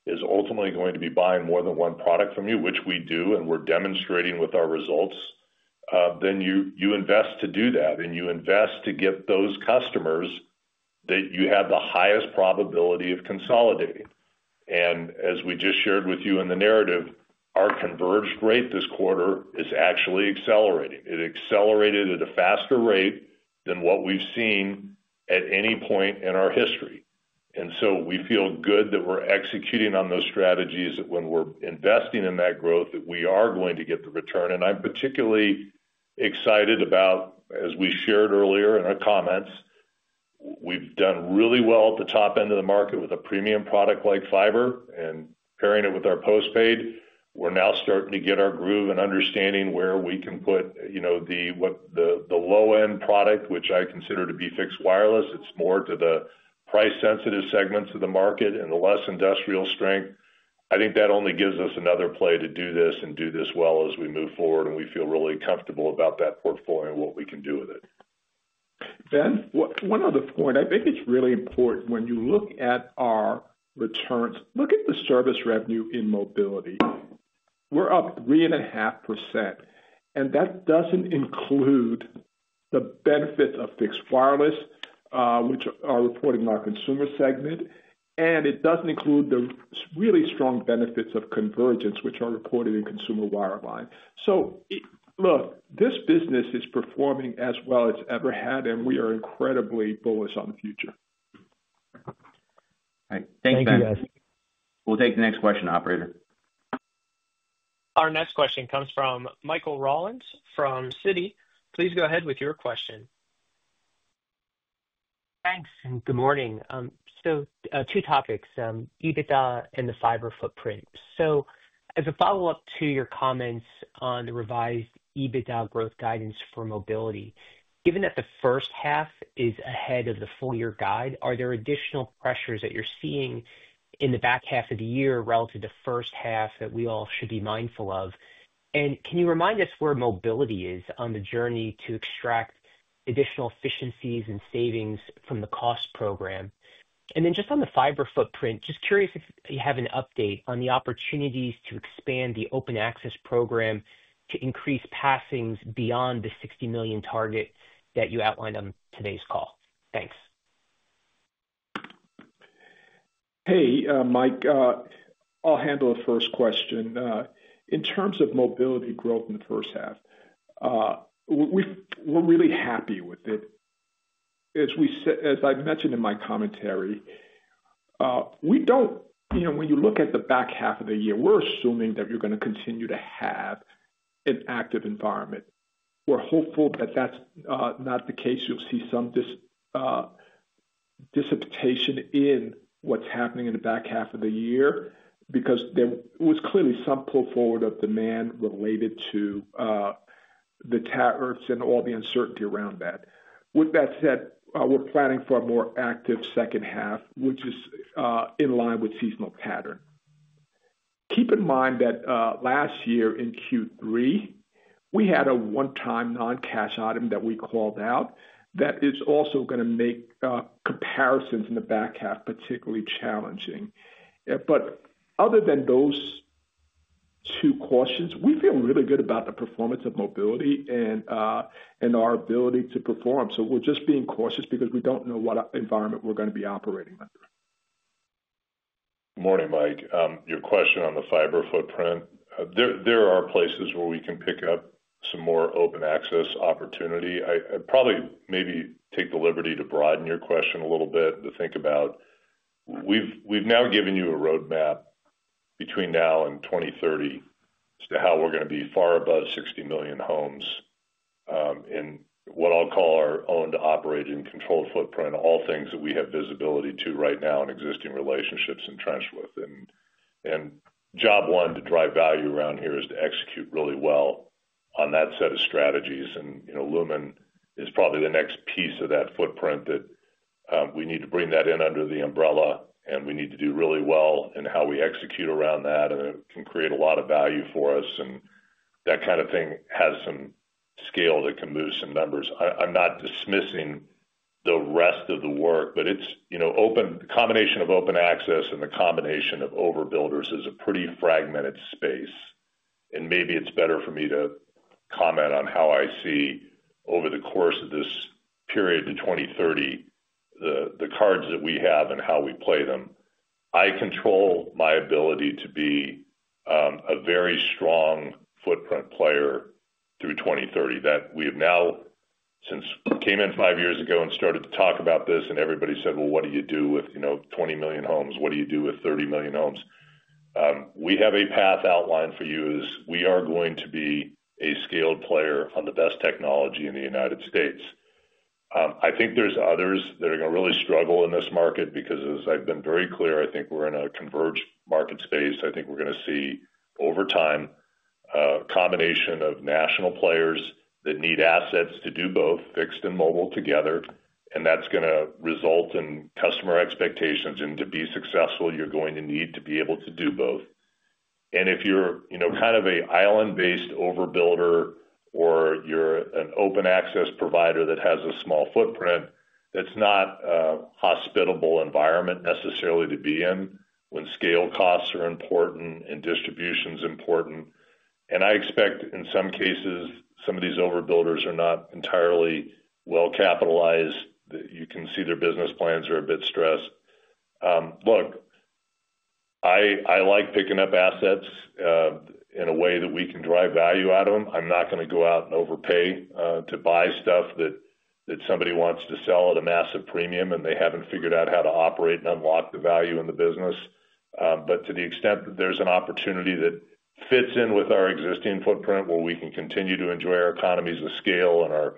is ultimately going to be buying more than one product from you, which we do, and we're demonstrating with our results, then you invest to do that. And you invest to get those customers that you have the highest probability of consolidating. And as we just shared with you in the narrative, our converged rate this quarter is actually accelerating. It accelerated at a faster rate than what we've seen at any point in our history. And so we feel good that we're executing on those strategies that when we're investing in that growth, that we are going to get the return. And I'm particularly excited about, as we shared earlier in our comments, we've done really well at the top end of the market with a premium product like fiber and pairing it with our postpaid. We're now starting to get our groove and understanding where we can put the low-end product, which I consider to be fixed wireless. It's more to the price-sensitive segments of the market and the less industrial strength. I think that only gives us another play to do this and do this well as we move forward. And we feel really comfortable about that portfolio and what we can do with it. Ben, one other point. I think it's really important when you look at our returns, look at the service revenue in Mobility. We're up 3.5%. And that doesn't include the benefits of fixed wireless, which are reported in our Consumer segment. And it doesn't include the really strong benefits of convergence, which are reported in Consumer Wireline. So look, this business is performing as well as it's ever had, and we are incredibly bullish on the future. Thanks, Ben. Thank you, guys. We'll take the next question, operator. Our next question comes from Michael Rollins from Citi. Please go ahead with your question. Thanks. And good morning. So two topics, EBITDA and the fiber footprint. So as a follow-up to your comments on the revised EBITDA growth guidance for Mobility, given that the first half is ahead of the full-year guide, are there additional pressures that you're seeing in the back half of the year relative to the first half that we all should be mindful of? And can you remind us where Mobility is on the journey to extract additional efficiencies and savings from the cost program? And then just on the fiber footprint, just curious if you have an update on the opportunities to expand the open access program to increase passings beyond the 60 million target that you outlined on today's call. Thanks. Hey, Mike, I'll handle the first question. In terms of Mobility growth in the first half, we're really happy with it. As I mentioned in my commentary, when you look at the back half of the year, we're assuming that you're going to continue to have an active environment. We're hopeful that that's not the case. You'll see some dissipation in what's happening in the back half of the year because there was clearly some pull forward of demand related to the tariffs and all the uncertainty around that. With that said, we're planning for a more active second half, which is in line with seasonal pattern. Keep in mind that last year in Q3, we had a one-time non-cash item that we called out that is also going to make comparisons in the back half particularly challenging. But other than those two questions, we feel really good about the performance of Mobility and our ability to perform. So we're just being cautious because we don't know what environment we're going to be operating under. Good morning, Mike. Your question on the fiber footprint, there are places where we can pick up some more open access opportunity. I'd probably maybe take the liberty to broaden your question a little bit to think about. We've now given you a roadmap between now and 2030 as to how we're going to be far above 60 million homes in what I'll call our owned-operated and controlled footprint, all things that we have visibility to right now and existing relationships entrenched with. And job one to drive value around here is to execute really well on that set of strategies. And Lumen is probably the next piece of that footprint that we need to bring that in under the umbrella, and we need to do really well in how we execute around that, and it can create a lot of value for us. And that kind of thing has some scale that can move some numbers. I'm not dismissing the rest of the work, but the combination of open access and the combination of overbuilders is a pretty fragmented space. And maybe it's better for me to comment on how I see over the course of this period to 2030, the cards that we have and how we play them. I control my ability to be a very strong footprint player through 2030. Since we came in five years ago and started to talk about this, and everybody said, "Well, what do you do with 20 million homes? What do you do with 30 million homes?" We have a path outlined for you as we are going to be a scaled player on the best technology in the United States. I think there's others that are going to really struggle in this market because, as I've been very clear, I think we're in a converged market space. I think we're going to see over time a combination of national players that need assets to do both, fixed and mobile together. And that's going to result in customer expectations. And to be successful, you're going to need to be able to do both. And if you're kind of an island-based overbuilder or you're an open access provider that has a small footprint, that's not a hospitable environment necessarily to be in when scale costs are important and distribution's important. And I expect in some cases, some of these overbuilders are not entirely well capitalized, that you can see their business plans are a bit stressed. Look, I like picking up assets in a way that we can drive value out of them. I'm not going to go out and overpay to buy stuff that somebody wants to sell at a massive premium, and they haven't figured out how to operate and unlock the value in the business. But to the extent that there's an opportunity that fits in with our existing footprint where we can continue to enjoy our economies of scale and our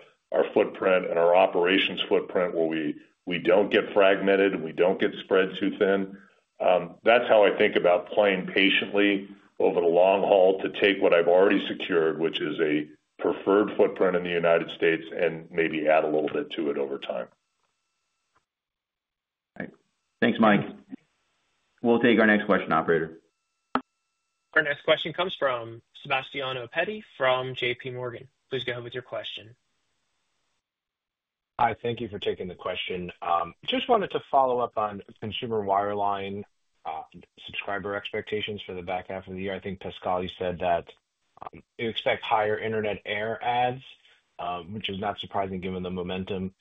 footprint and our operations footprint where we don't get fragmented and we don't get spread too thin, that's how I think about playing patiently over the long haul to take what I've already secured, which is a preferred footprint in the United States, and maybe add a little bit to it over time. Thanks, Mike. We'll take our next question, operator. Our next question comes from Sebastiano Petti from JPMorgan. Please go ahead with your question. Hi. Thank you for taking the question. Just wanted to follow up on Consumer Wireline subscriber expectations for the back half of the year. I think Pascal you said that you expect higher Internet Air ads, which is not surprising given the momentum.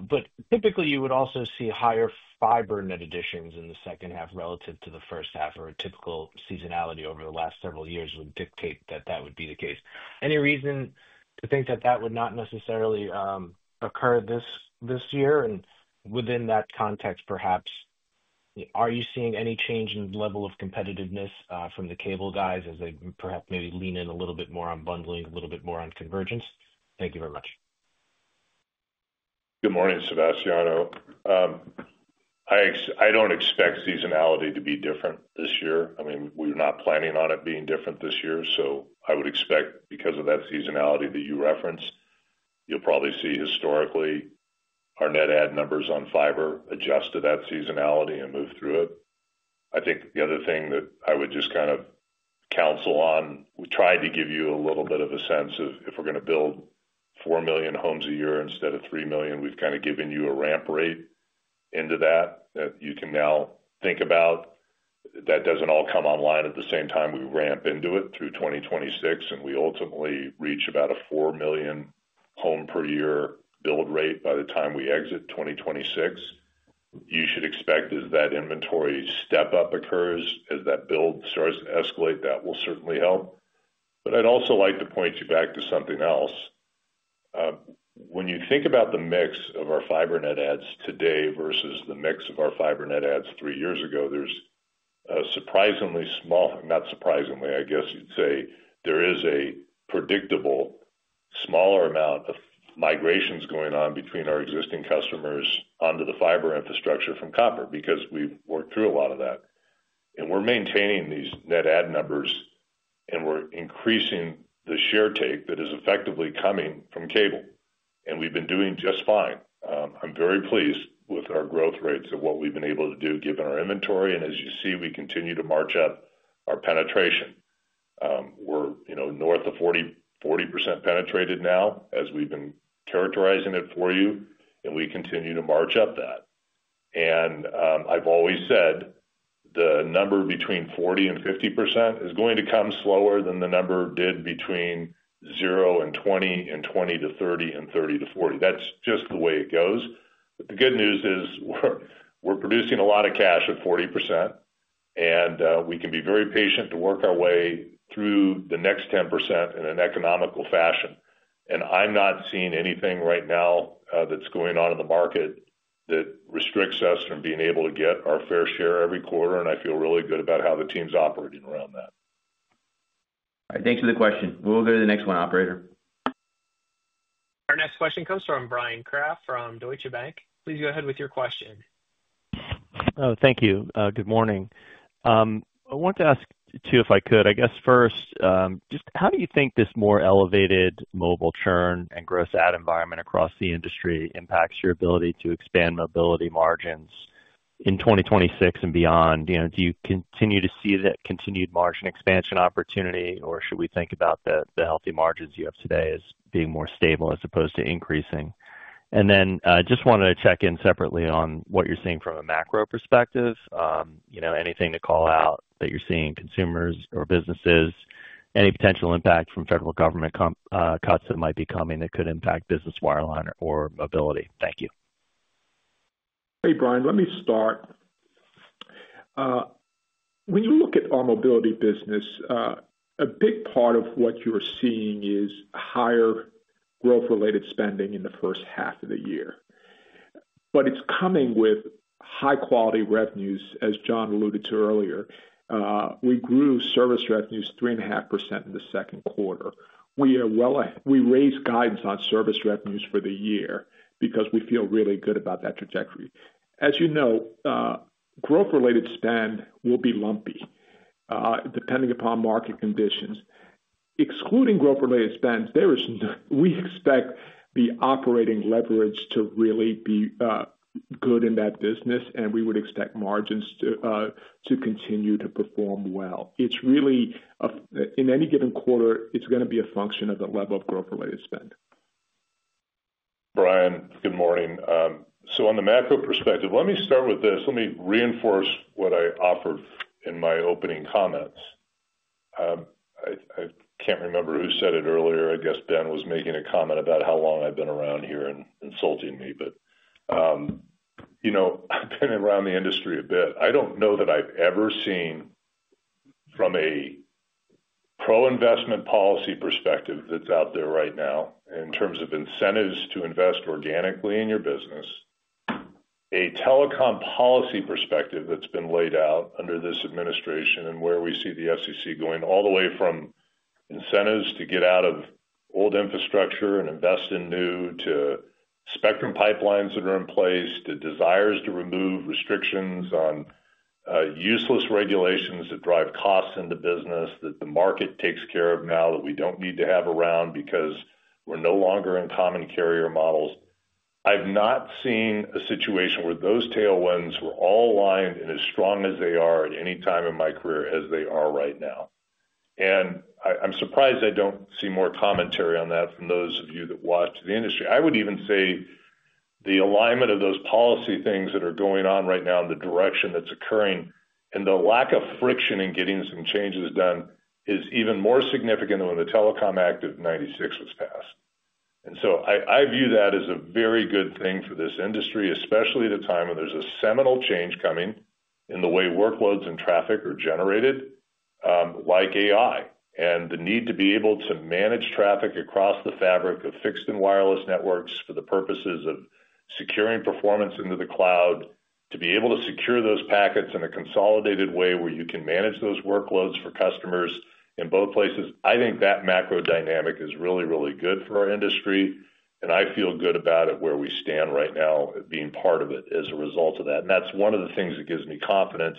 But typically, you would also see higher fiber net additions in the second half relative to the first half, or a typical seasonality over the last several years would dictate that that would be the case. Any reason to think that that would not necessarily occur this year? And within that context, perhaps, are you seeing any change in level of competitiveness from the cable guys as they perhaps maybe lean in a little bit more on bundling, a little bit more on convergence? Thank you very much. Good morning, Sebastiano. I don't expect seasonality to be different this year. I mean, we're not planning on it being different this year. So I would expect because of that seasonality that you referenced, you'll probably see historically our net ad numbers on fiber adjust to that seasonality and move through it. I think the other thing that I would just kind of counsel on, we tried to give you a little bit of a sense of if we're going to build 4 million homes a year instead of 3 million, we've kind of given you a ramp rate into that that you can now think about. That doesn't all come online at the same time we ramp into it through 2026, and we ultimately reach about a 4 million home-per-year build rate by the time we exit 2026. You should expect as that inventory step-up occurs, as that build starts to escalate, that will certainly help. But I'd also like to point you back to something else. When you think about the mix of our fiber net ads today versus the mix of our fiber net ads three years ago, there's a surprisingly small, not surprisingly, I guess you'd say, there is a predictable smaller amount of migrations going on between our existing customers onto the fiber infrastructure from copper because we've worked through a lot of that. And we're maintaining these net ad numbers, and we're increasing the share take that is effectively coming from cable. And we've been doing just fine. I'm very pleased with our growth rates of what we've been able to do given our inventory. And as you see, we continue to march up our penetration. We're north of 40% penetrated now as we've been characterizing it for you, and we continue to march up that. And I've always said the number between 40% and 50% is going to come slower than the number did between 0% and 20% and 20%-30% and 30%-40%. That's just the way it goes. But the good news is we're producing a lot of cash at 40%, and we can be very patient to work our way through the next 10% in an economical fashion. And I'm not seeing anything right now that's going on in the market that restricts us from being able to get our fair share every quarter. And I feel really good about how the team's operating around that. All right. Thanks for the question. We'll go to the next one, operator. Our next question comes from Bryan Kraft from Deutsche Bank. Please go ahead with your question. Thank you. Good morning. I wanted to ask too if I could, I guess first, just how do you think this more elevated mobile churn and gross ad environment across the industry impacts your ability to expand Mobility margins in 2026 and beyond? Do you continue to see that continued margin expansion opportunity, or should we think about the healthy margins you have today as being more stable as opposed to increasing? And then I just wanted to check in separately on what you're seeing from a macro perspective. Anything to call out that you're seeing consumers or businesses, any potential impact from federal government cuts that might be coming that could impact Business Wireline or Mobility? Thank you. Hey, Bryan, let me start. When you look at our Mobility business, a big part of what you're seeing is higher growth-related spending in the first half of the year. But it's coming with high-quality revenues, as John alluded to earlier. We grew service revenues 3.5% in the second quarter. We raised guidance on service revenues for the year because we feel really good about that trajectory. As you know, growth-related spend will be lumpy depending upon market conditions. Excluding growth-related spend, we expect the operating leverage to really be good in that business, and we would expect margins to continue to perform well. In any given quarter, it's going to be a function of the level of growth-related spend. Bryan, good morning. So on the macro perspective, let me start with this. Let me reinforce what I offered in my opening comments. I can't remember who said it earlier. I guess Ben was making a comment about how long I've been around here and insulting me. But I've been around the industry a bit. I don't know that I've ever seen from a pro-investment policy perspective that's out there right now in terms of incentives to invest organically in your business, a telecom policy perspective that's been laid out under this administration and where we see the FCC going all the way from incentives to get out of old infrastructure and invest in new to spectrum pipelines that are in place to desires to remove restrictions on useless regulations that drive costs into business that the market takes care of now that we don't need to have around because we're no longer in common carrier models. I've not seen a situation where those tailwinds were all aligned and as strong as they are at any time in my career as they are right now. And I'm surprised I don't see more commentary on that from those of you that watch the industry. I would even say the alignment of those policy things that are going on right now in the direction that's occurring and the lack of friction in getting some changes done is even more significant than when the Telecom Act of 1996 was passed. And so I view that as a very good thing for this industry, especially at a time when there's a seminal change coming in the way workloads and traffic are generated like AI and the need to be able to manage traffic across the fabric of fixed and wireless networks for the purposes of securing performance into the cloud, to be able to secure those packets in a consolidated way where you can manage those workloads for customers in both places. I think that macro dynamic is really, really good for our industry, and I feel good about it where we stand right now being part of it as a result of that. And that's one of the things that gives me confidence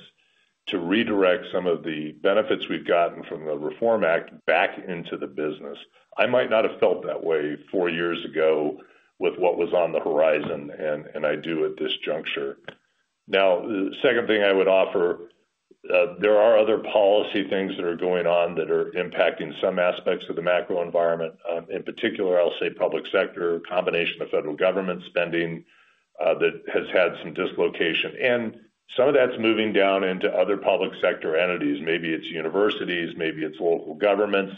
to redirect some of the benefits we've gotten from the Reform Act back into the business. I might not have felt that way four years ago with what was on the horizon, and I do at this juncture. Now, the second thing I would offer, there are other policy things that are going on that are impacting some aspects of the macro environment. In particular, I'll say public sector, a combination of federal government spending that has had some dislocation. And some of that's moving down into other public sector entities. Maybe it's universities, maybe it's local governments.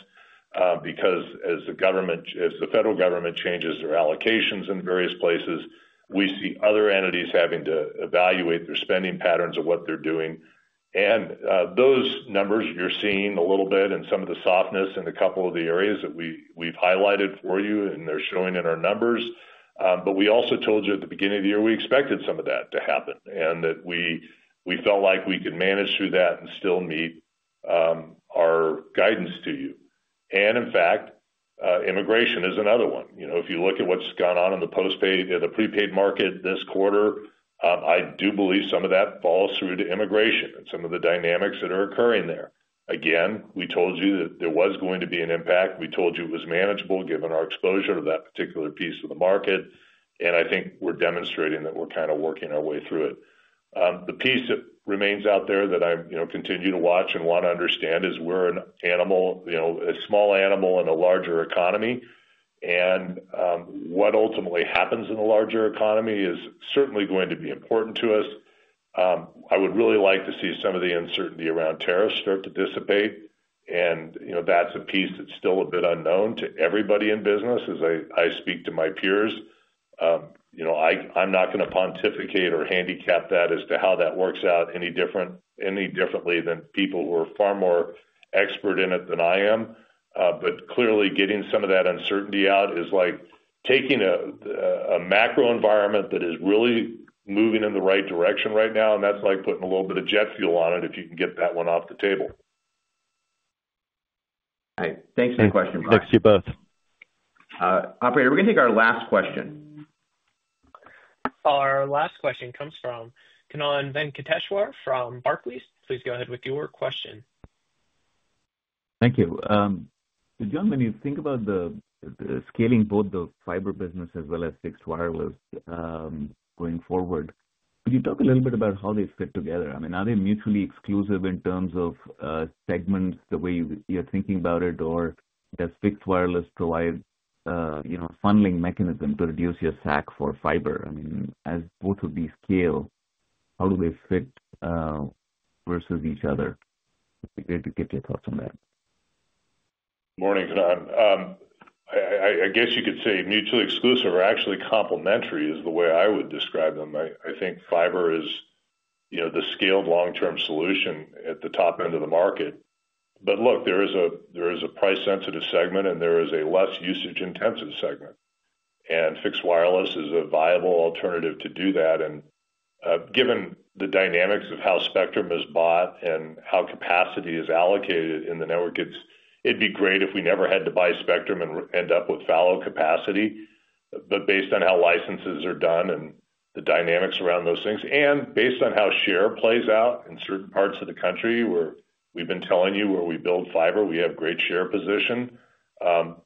Because as the federal government changes their allocations in various places, we see other entities having to evaluate their spending patterns of what they're doing. And those numbers you're seeing a little bit and some of the softness in a couple of the areas that we've highlighted for you, and they're showing in our numbers. But we also told you at the beginning of the year we expected some of that to happen and that we felt like we could manage through that and still meet our guidance to you. And in fact, immigration is another one. If you look at what's gone on in the prepaid market this quarter, I do believe some of that falls through to immigration and some of the dynamics that are occurring there. Again, we told you that there was going to be an impact. We told you it was manageable given our exposure to that particular piece of the market. And I think we're demonstrating that we're kind of working our way through it. The piece that remains out there that I continue to watch and want to understand is we're a small animal in a larger economy. And what ultimately happens in the larger economy is certainly going to be important to us. I would really like to see some of the uncertainty around tariffs start to dissipate. And that's a piece that's still a bit unknown to everybody in business. As I speak to my peers, I'm not going to pontificate or handicap that as to how that works out any differently than people who are far more expert in it than I am. But clearly, getting some of that uncertainty out is like taking a macro environment that is really moving in the right direction right now. And that's like putting a little bit of jet fuel on it if you can get that one off the table. All right. Thanks for the question, Bryan. Thanks to you both. Operator, we're going to take our last question. Our last question comes from Kannan Venkateshwar from Barclays. Please go ahead with your question. Thank you. John, when you think about scaling both the fiber business as well as fixed wireless going forward, could you talk a little bit about how they fit together? I mean, are they mutually exclusive in terms of segments the way you're thinking about it, or does fixed wireless provide a funneling mechanism to reduce your SAC for fiber? I mean, as both of these scale, how do they fit versus each other? I'd be great to get your thoughts on that. Morning, John. I guess you could say mutually exclusive or actually complementary is the way I would describe them. I think fiber is the scaled long-term solution at the top end of the market. But look, there is a price-sensitive segment, and there is a less usage-intensive segment. And fixed wireless is a viable alternative to do that. And given the dynamics of how spectrum is bought and how capacity is allocated in the network, it'd be great if we never had to buy spectrum and end up with fallow capacity. But based on how licenses are done and the dynamics around those things, and based on how share plays out in certain parts of the country where we've been telling you where we build fiber, we have great share position.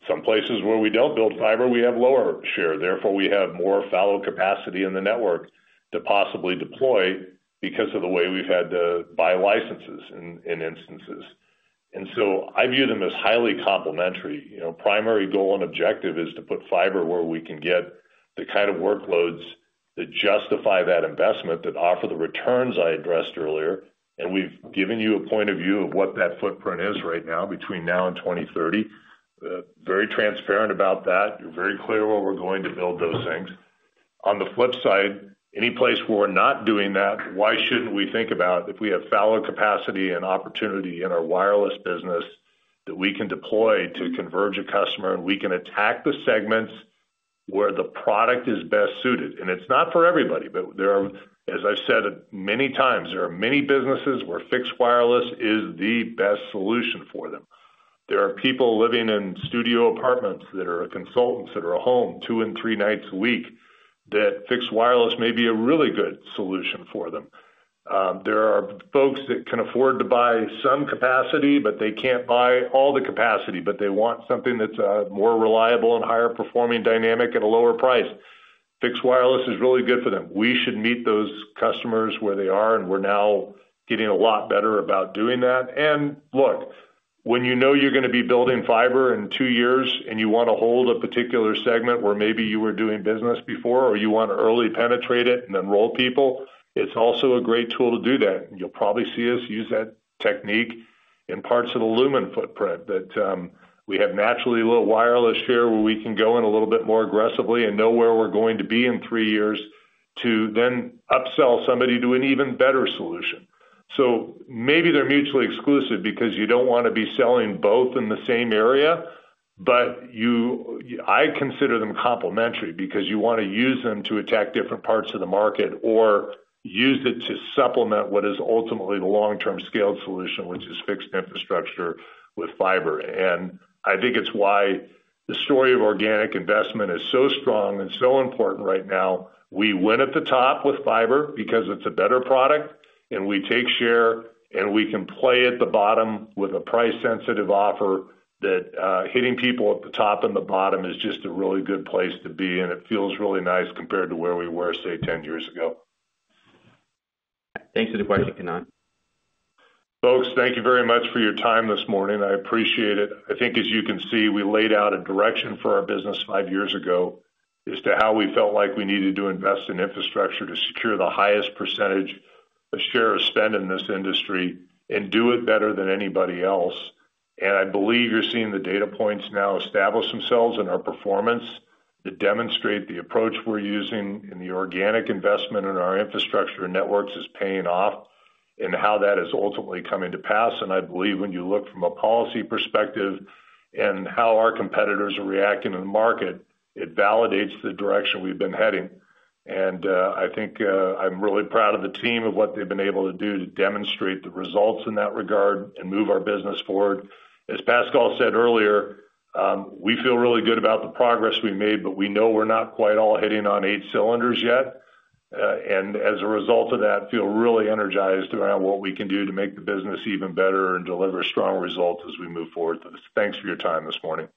Some places where we don't build fiber, we have lower share. Therefore, we have more fallow capacity in the network to possibly deploy because of the way we've had to buy licenses in instances. And so I view them as highly complementary. Primary goal and objective is to put fiber where we can get the kind of workloads that justify that investment that offer the returns I addressed earlier. And we've given you a point of view of what that footprint is right now between now and 2030. Very transparent about that. You're very clear where we're going to build those things. On the flip side, any place where we're not doing that, why shouldn't we think about if we have fallow capacity and opportunity in our wireless business that we can deploy to converge a customer and we can attack the segments where the product is best suited? And it's not for everybody, but there are, as I've said many times, there are many businesses where fixed wireless is the best solution for them. There are people living in studio apartments that are consultants that are at home two and three nights a week that fixed wireless may be a really good solution for them. There are folks that can afford to buy some capacity, but they can't buy all the capacity, but they want something that's more reliable and higher performing dynamic at a lower price. Fixed wireless is really good for them. We should meet those customers where they are, and we're now getting a lot better about doing that. And look, when you know you're going to be building fiber in two years and you want to hold a particular segment where maybe you were doing business before or you want to early penetrate it and enroll people, it's also a great tool to do that. You'll probably see us use that technique in parts of the Lumen footprint that we have naturally low wireless share where we can go in a little bit more aggressively and know where we're going to be in three years to then upsell somebody to an even better solution. So maybe they're mutually exclusive because you don't want to be selling both in the same area, but I consider them complementary because you want to use them to attack different parts of the market or use it to supplement what is ultimately the long-term scaled solution, which is fixed infrastructure with fiber. And I think it's why the story of organic investment is so strong and so important right now. We win at the top with fiber because it's a better product, and we take share, and we can play at the bottom with a price-sensitive offer that hitting people at the top and the bottom is just a really good place to be. And it feels really nice compared to where we were, say, 10 years ago. Thanks for the question, Kannan. Folks, thank you very much for your time this morning. I appreciate it. I think, as you can see, we laid out a direction for our business five years ago as to how we felt like we needed to invest in infrastructure to secure the highest percentage of share of spend in this industry and do it better than anybody else. And I believe you're seeing the data points now establish themselves in our performance to demonstrate the approach we're using in the organic investment in our infrastructure and networks is paying off and how that is ultimately coming to pass. And I believe when you look from a policy perspective and how our competitors are reacting in the market, it validates the direction we've been heading. And I think I'm really proud of the team of what they've been able to do to demonstrate the results in that regard and move our business forward. As Pascal said earlier, we feel really good about the progress we made, but we know we're not quite all hitting on eight cylinders yet. And as a result of that, feel really energized around what we can do to make the business even better and deliver strong results as we move forward. Thanks for your time this morning.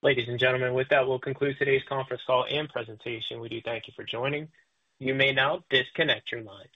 Ladies and gentlemen, with that, we'll conclude today's conference call and presentation. We do thank you for joining. You may now disconnect your lines.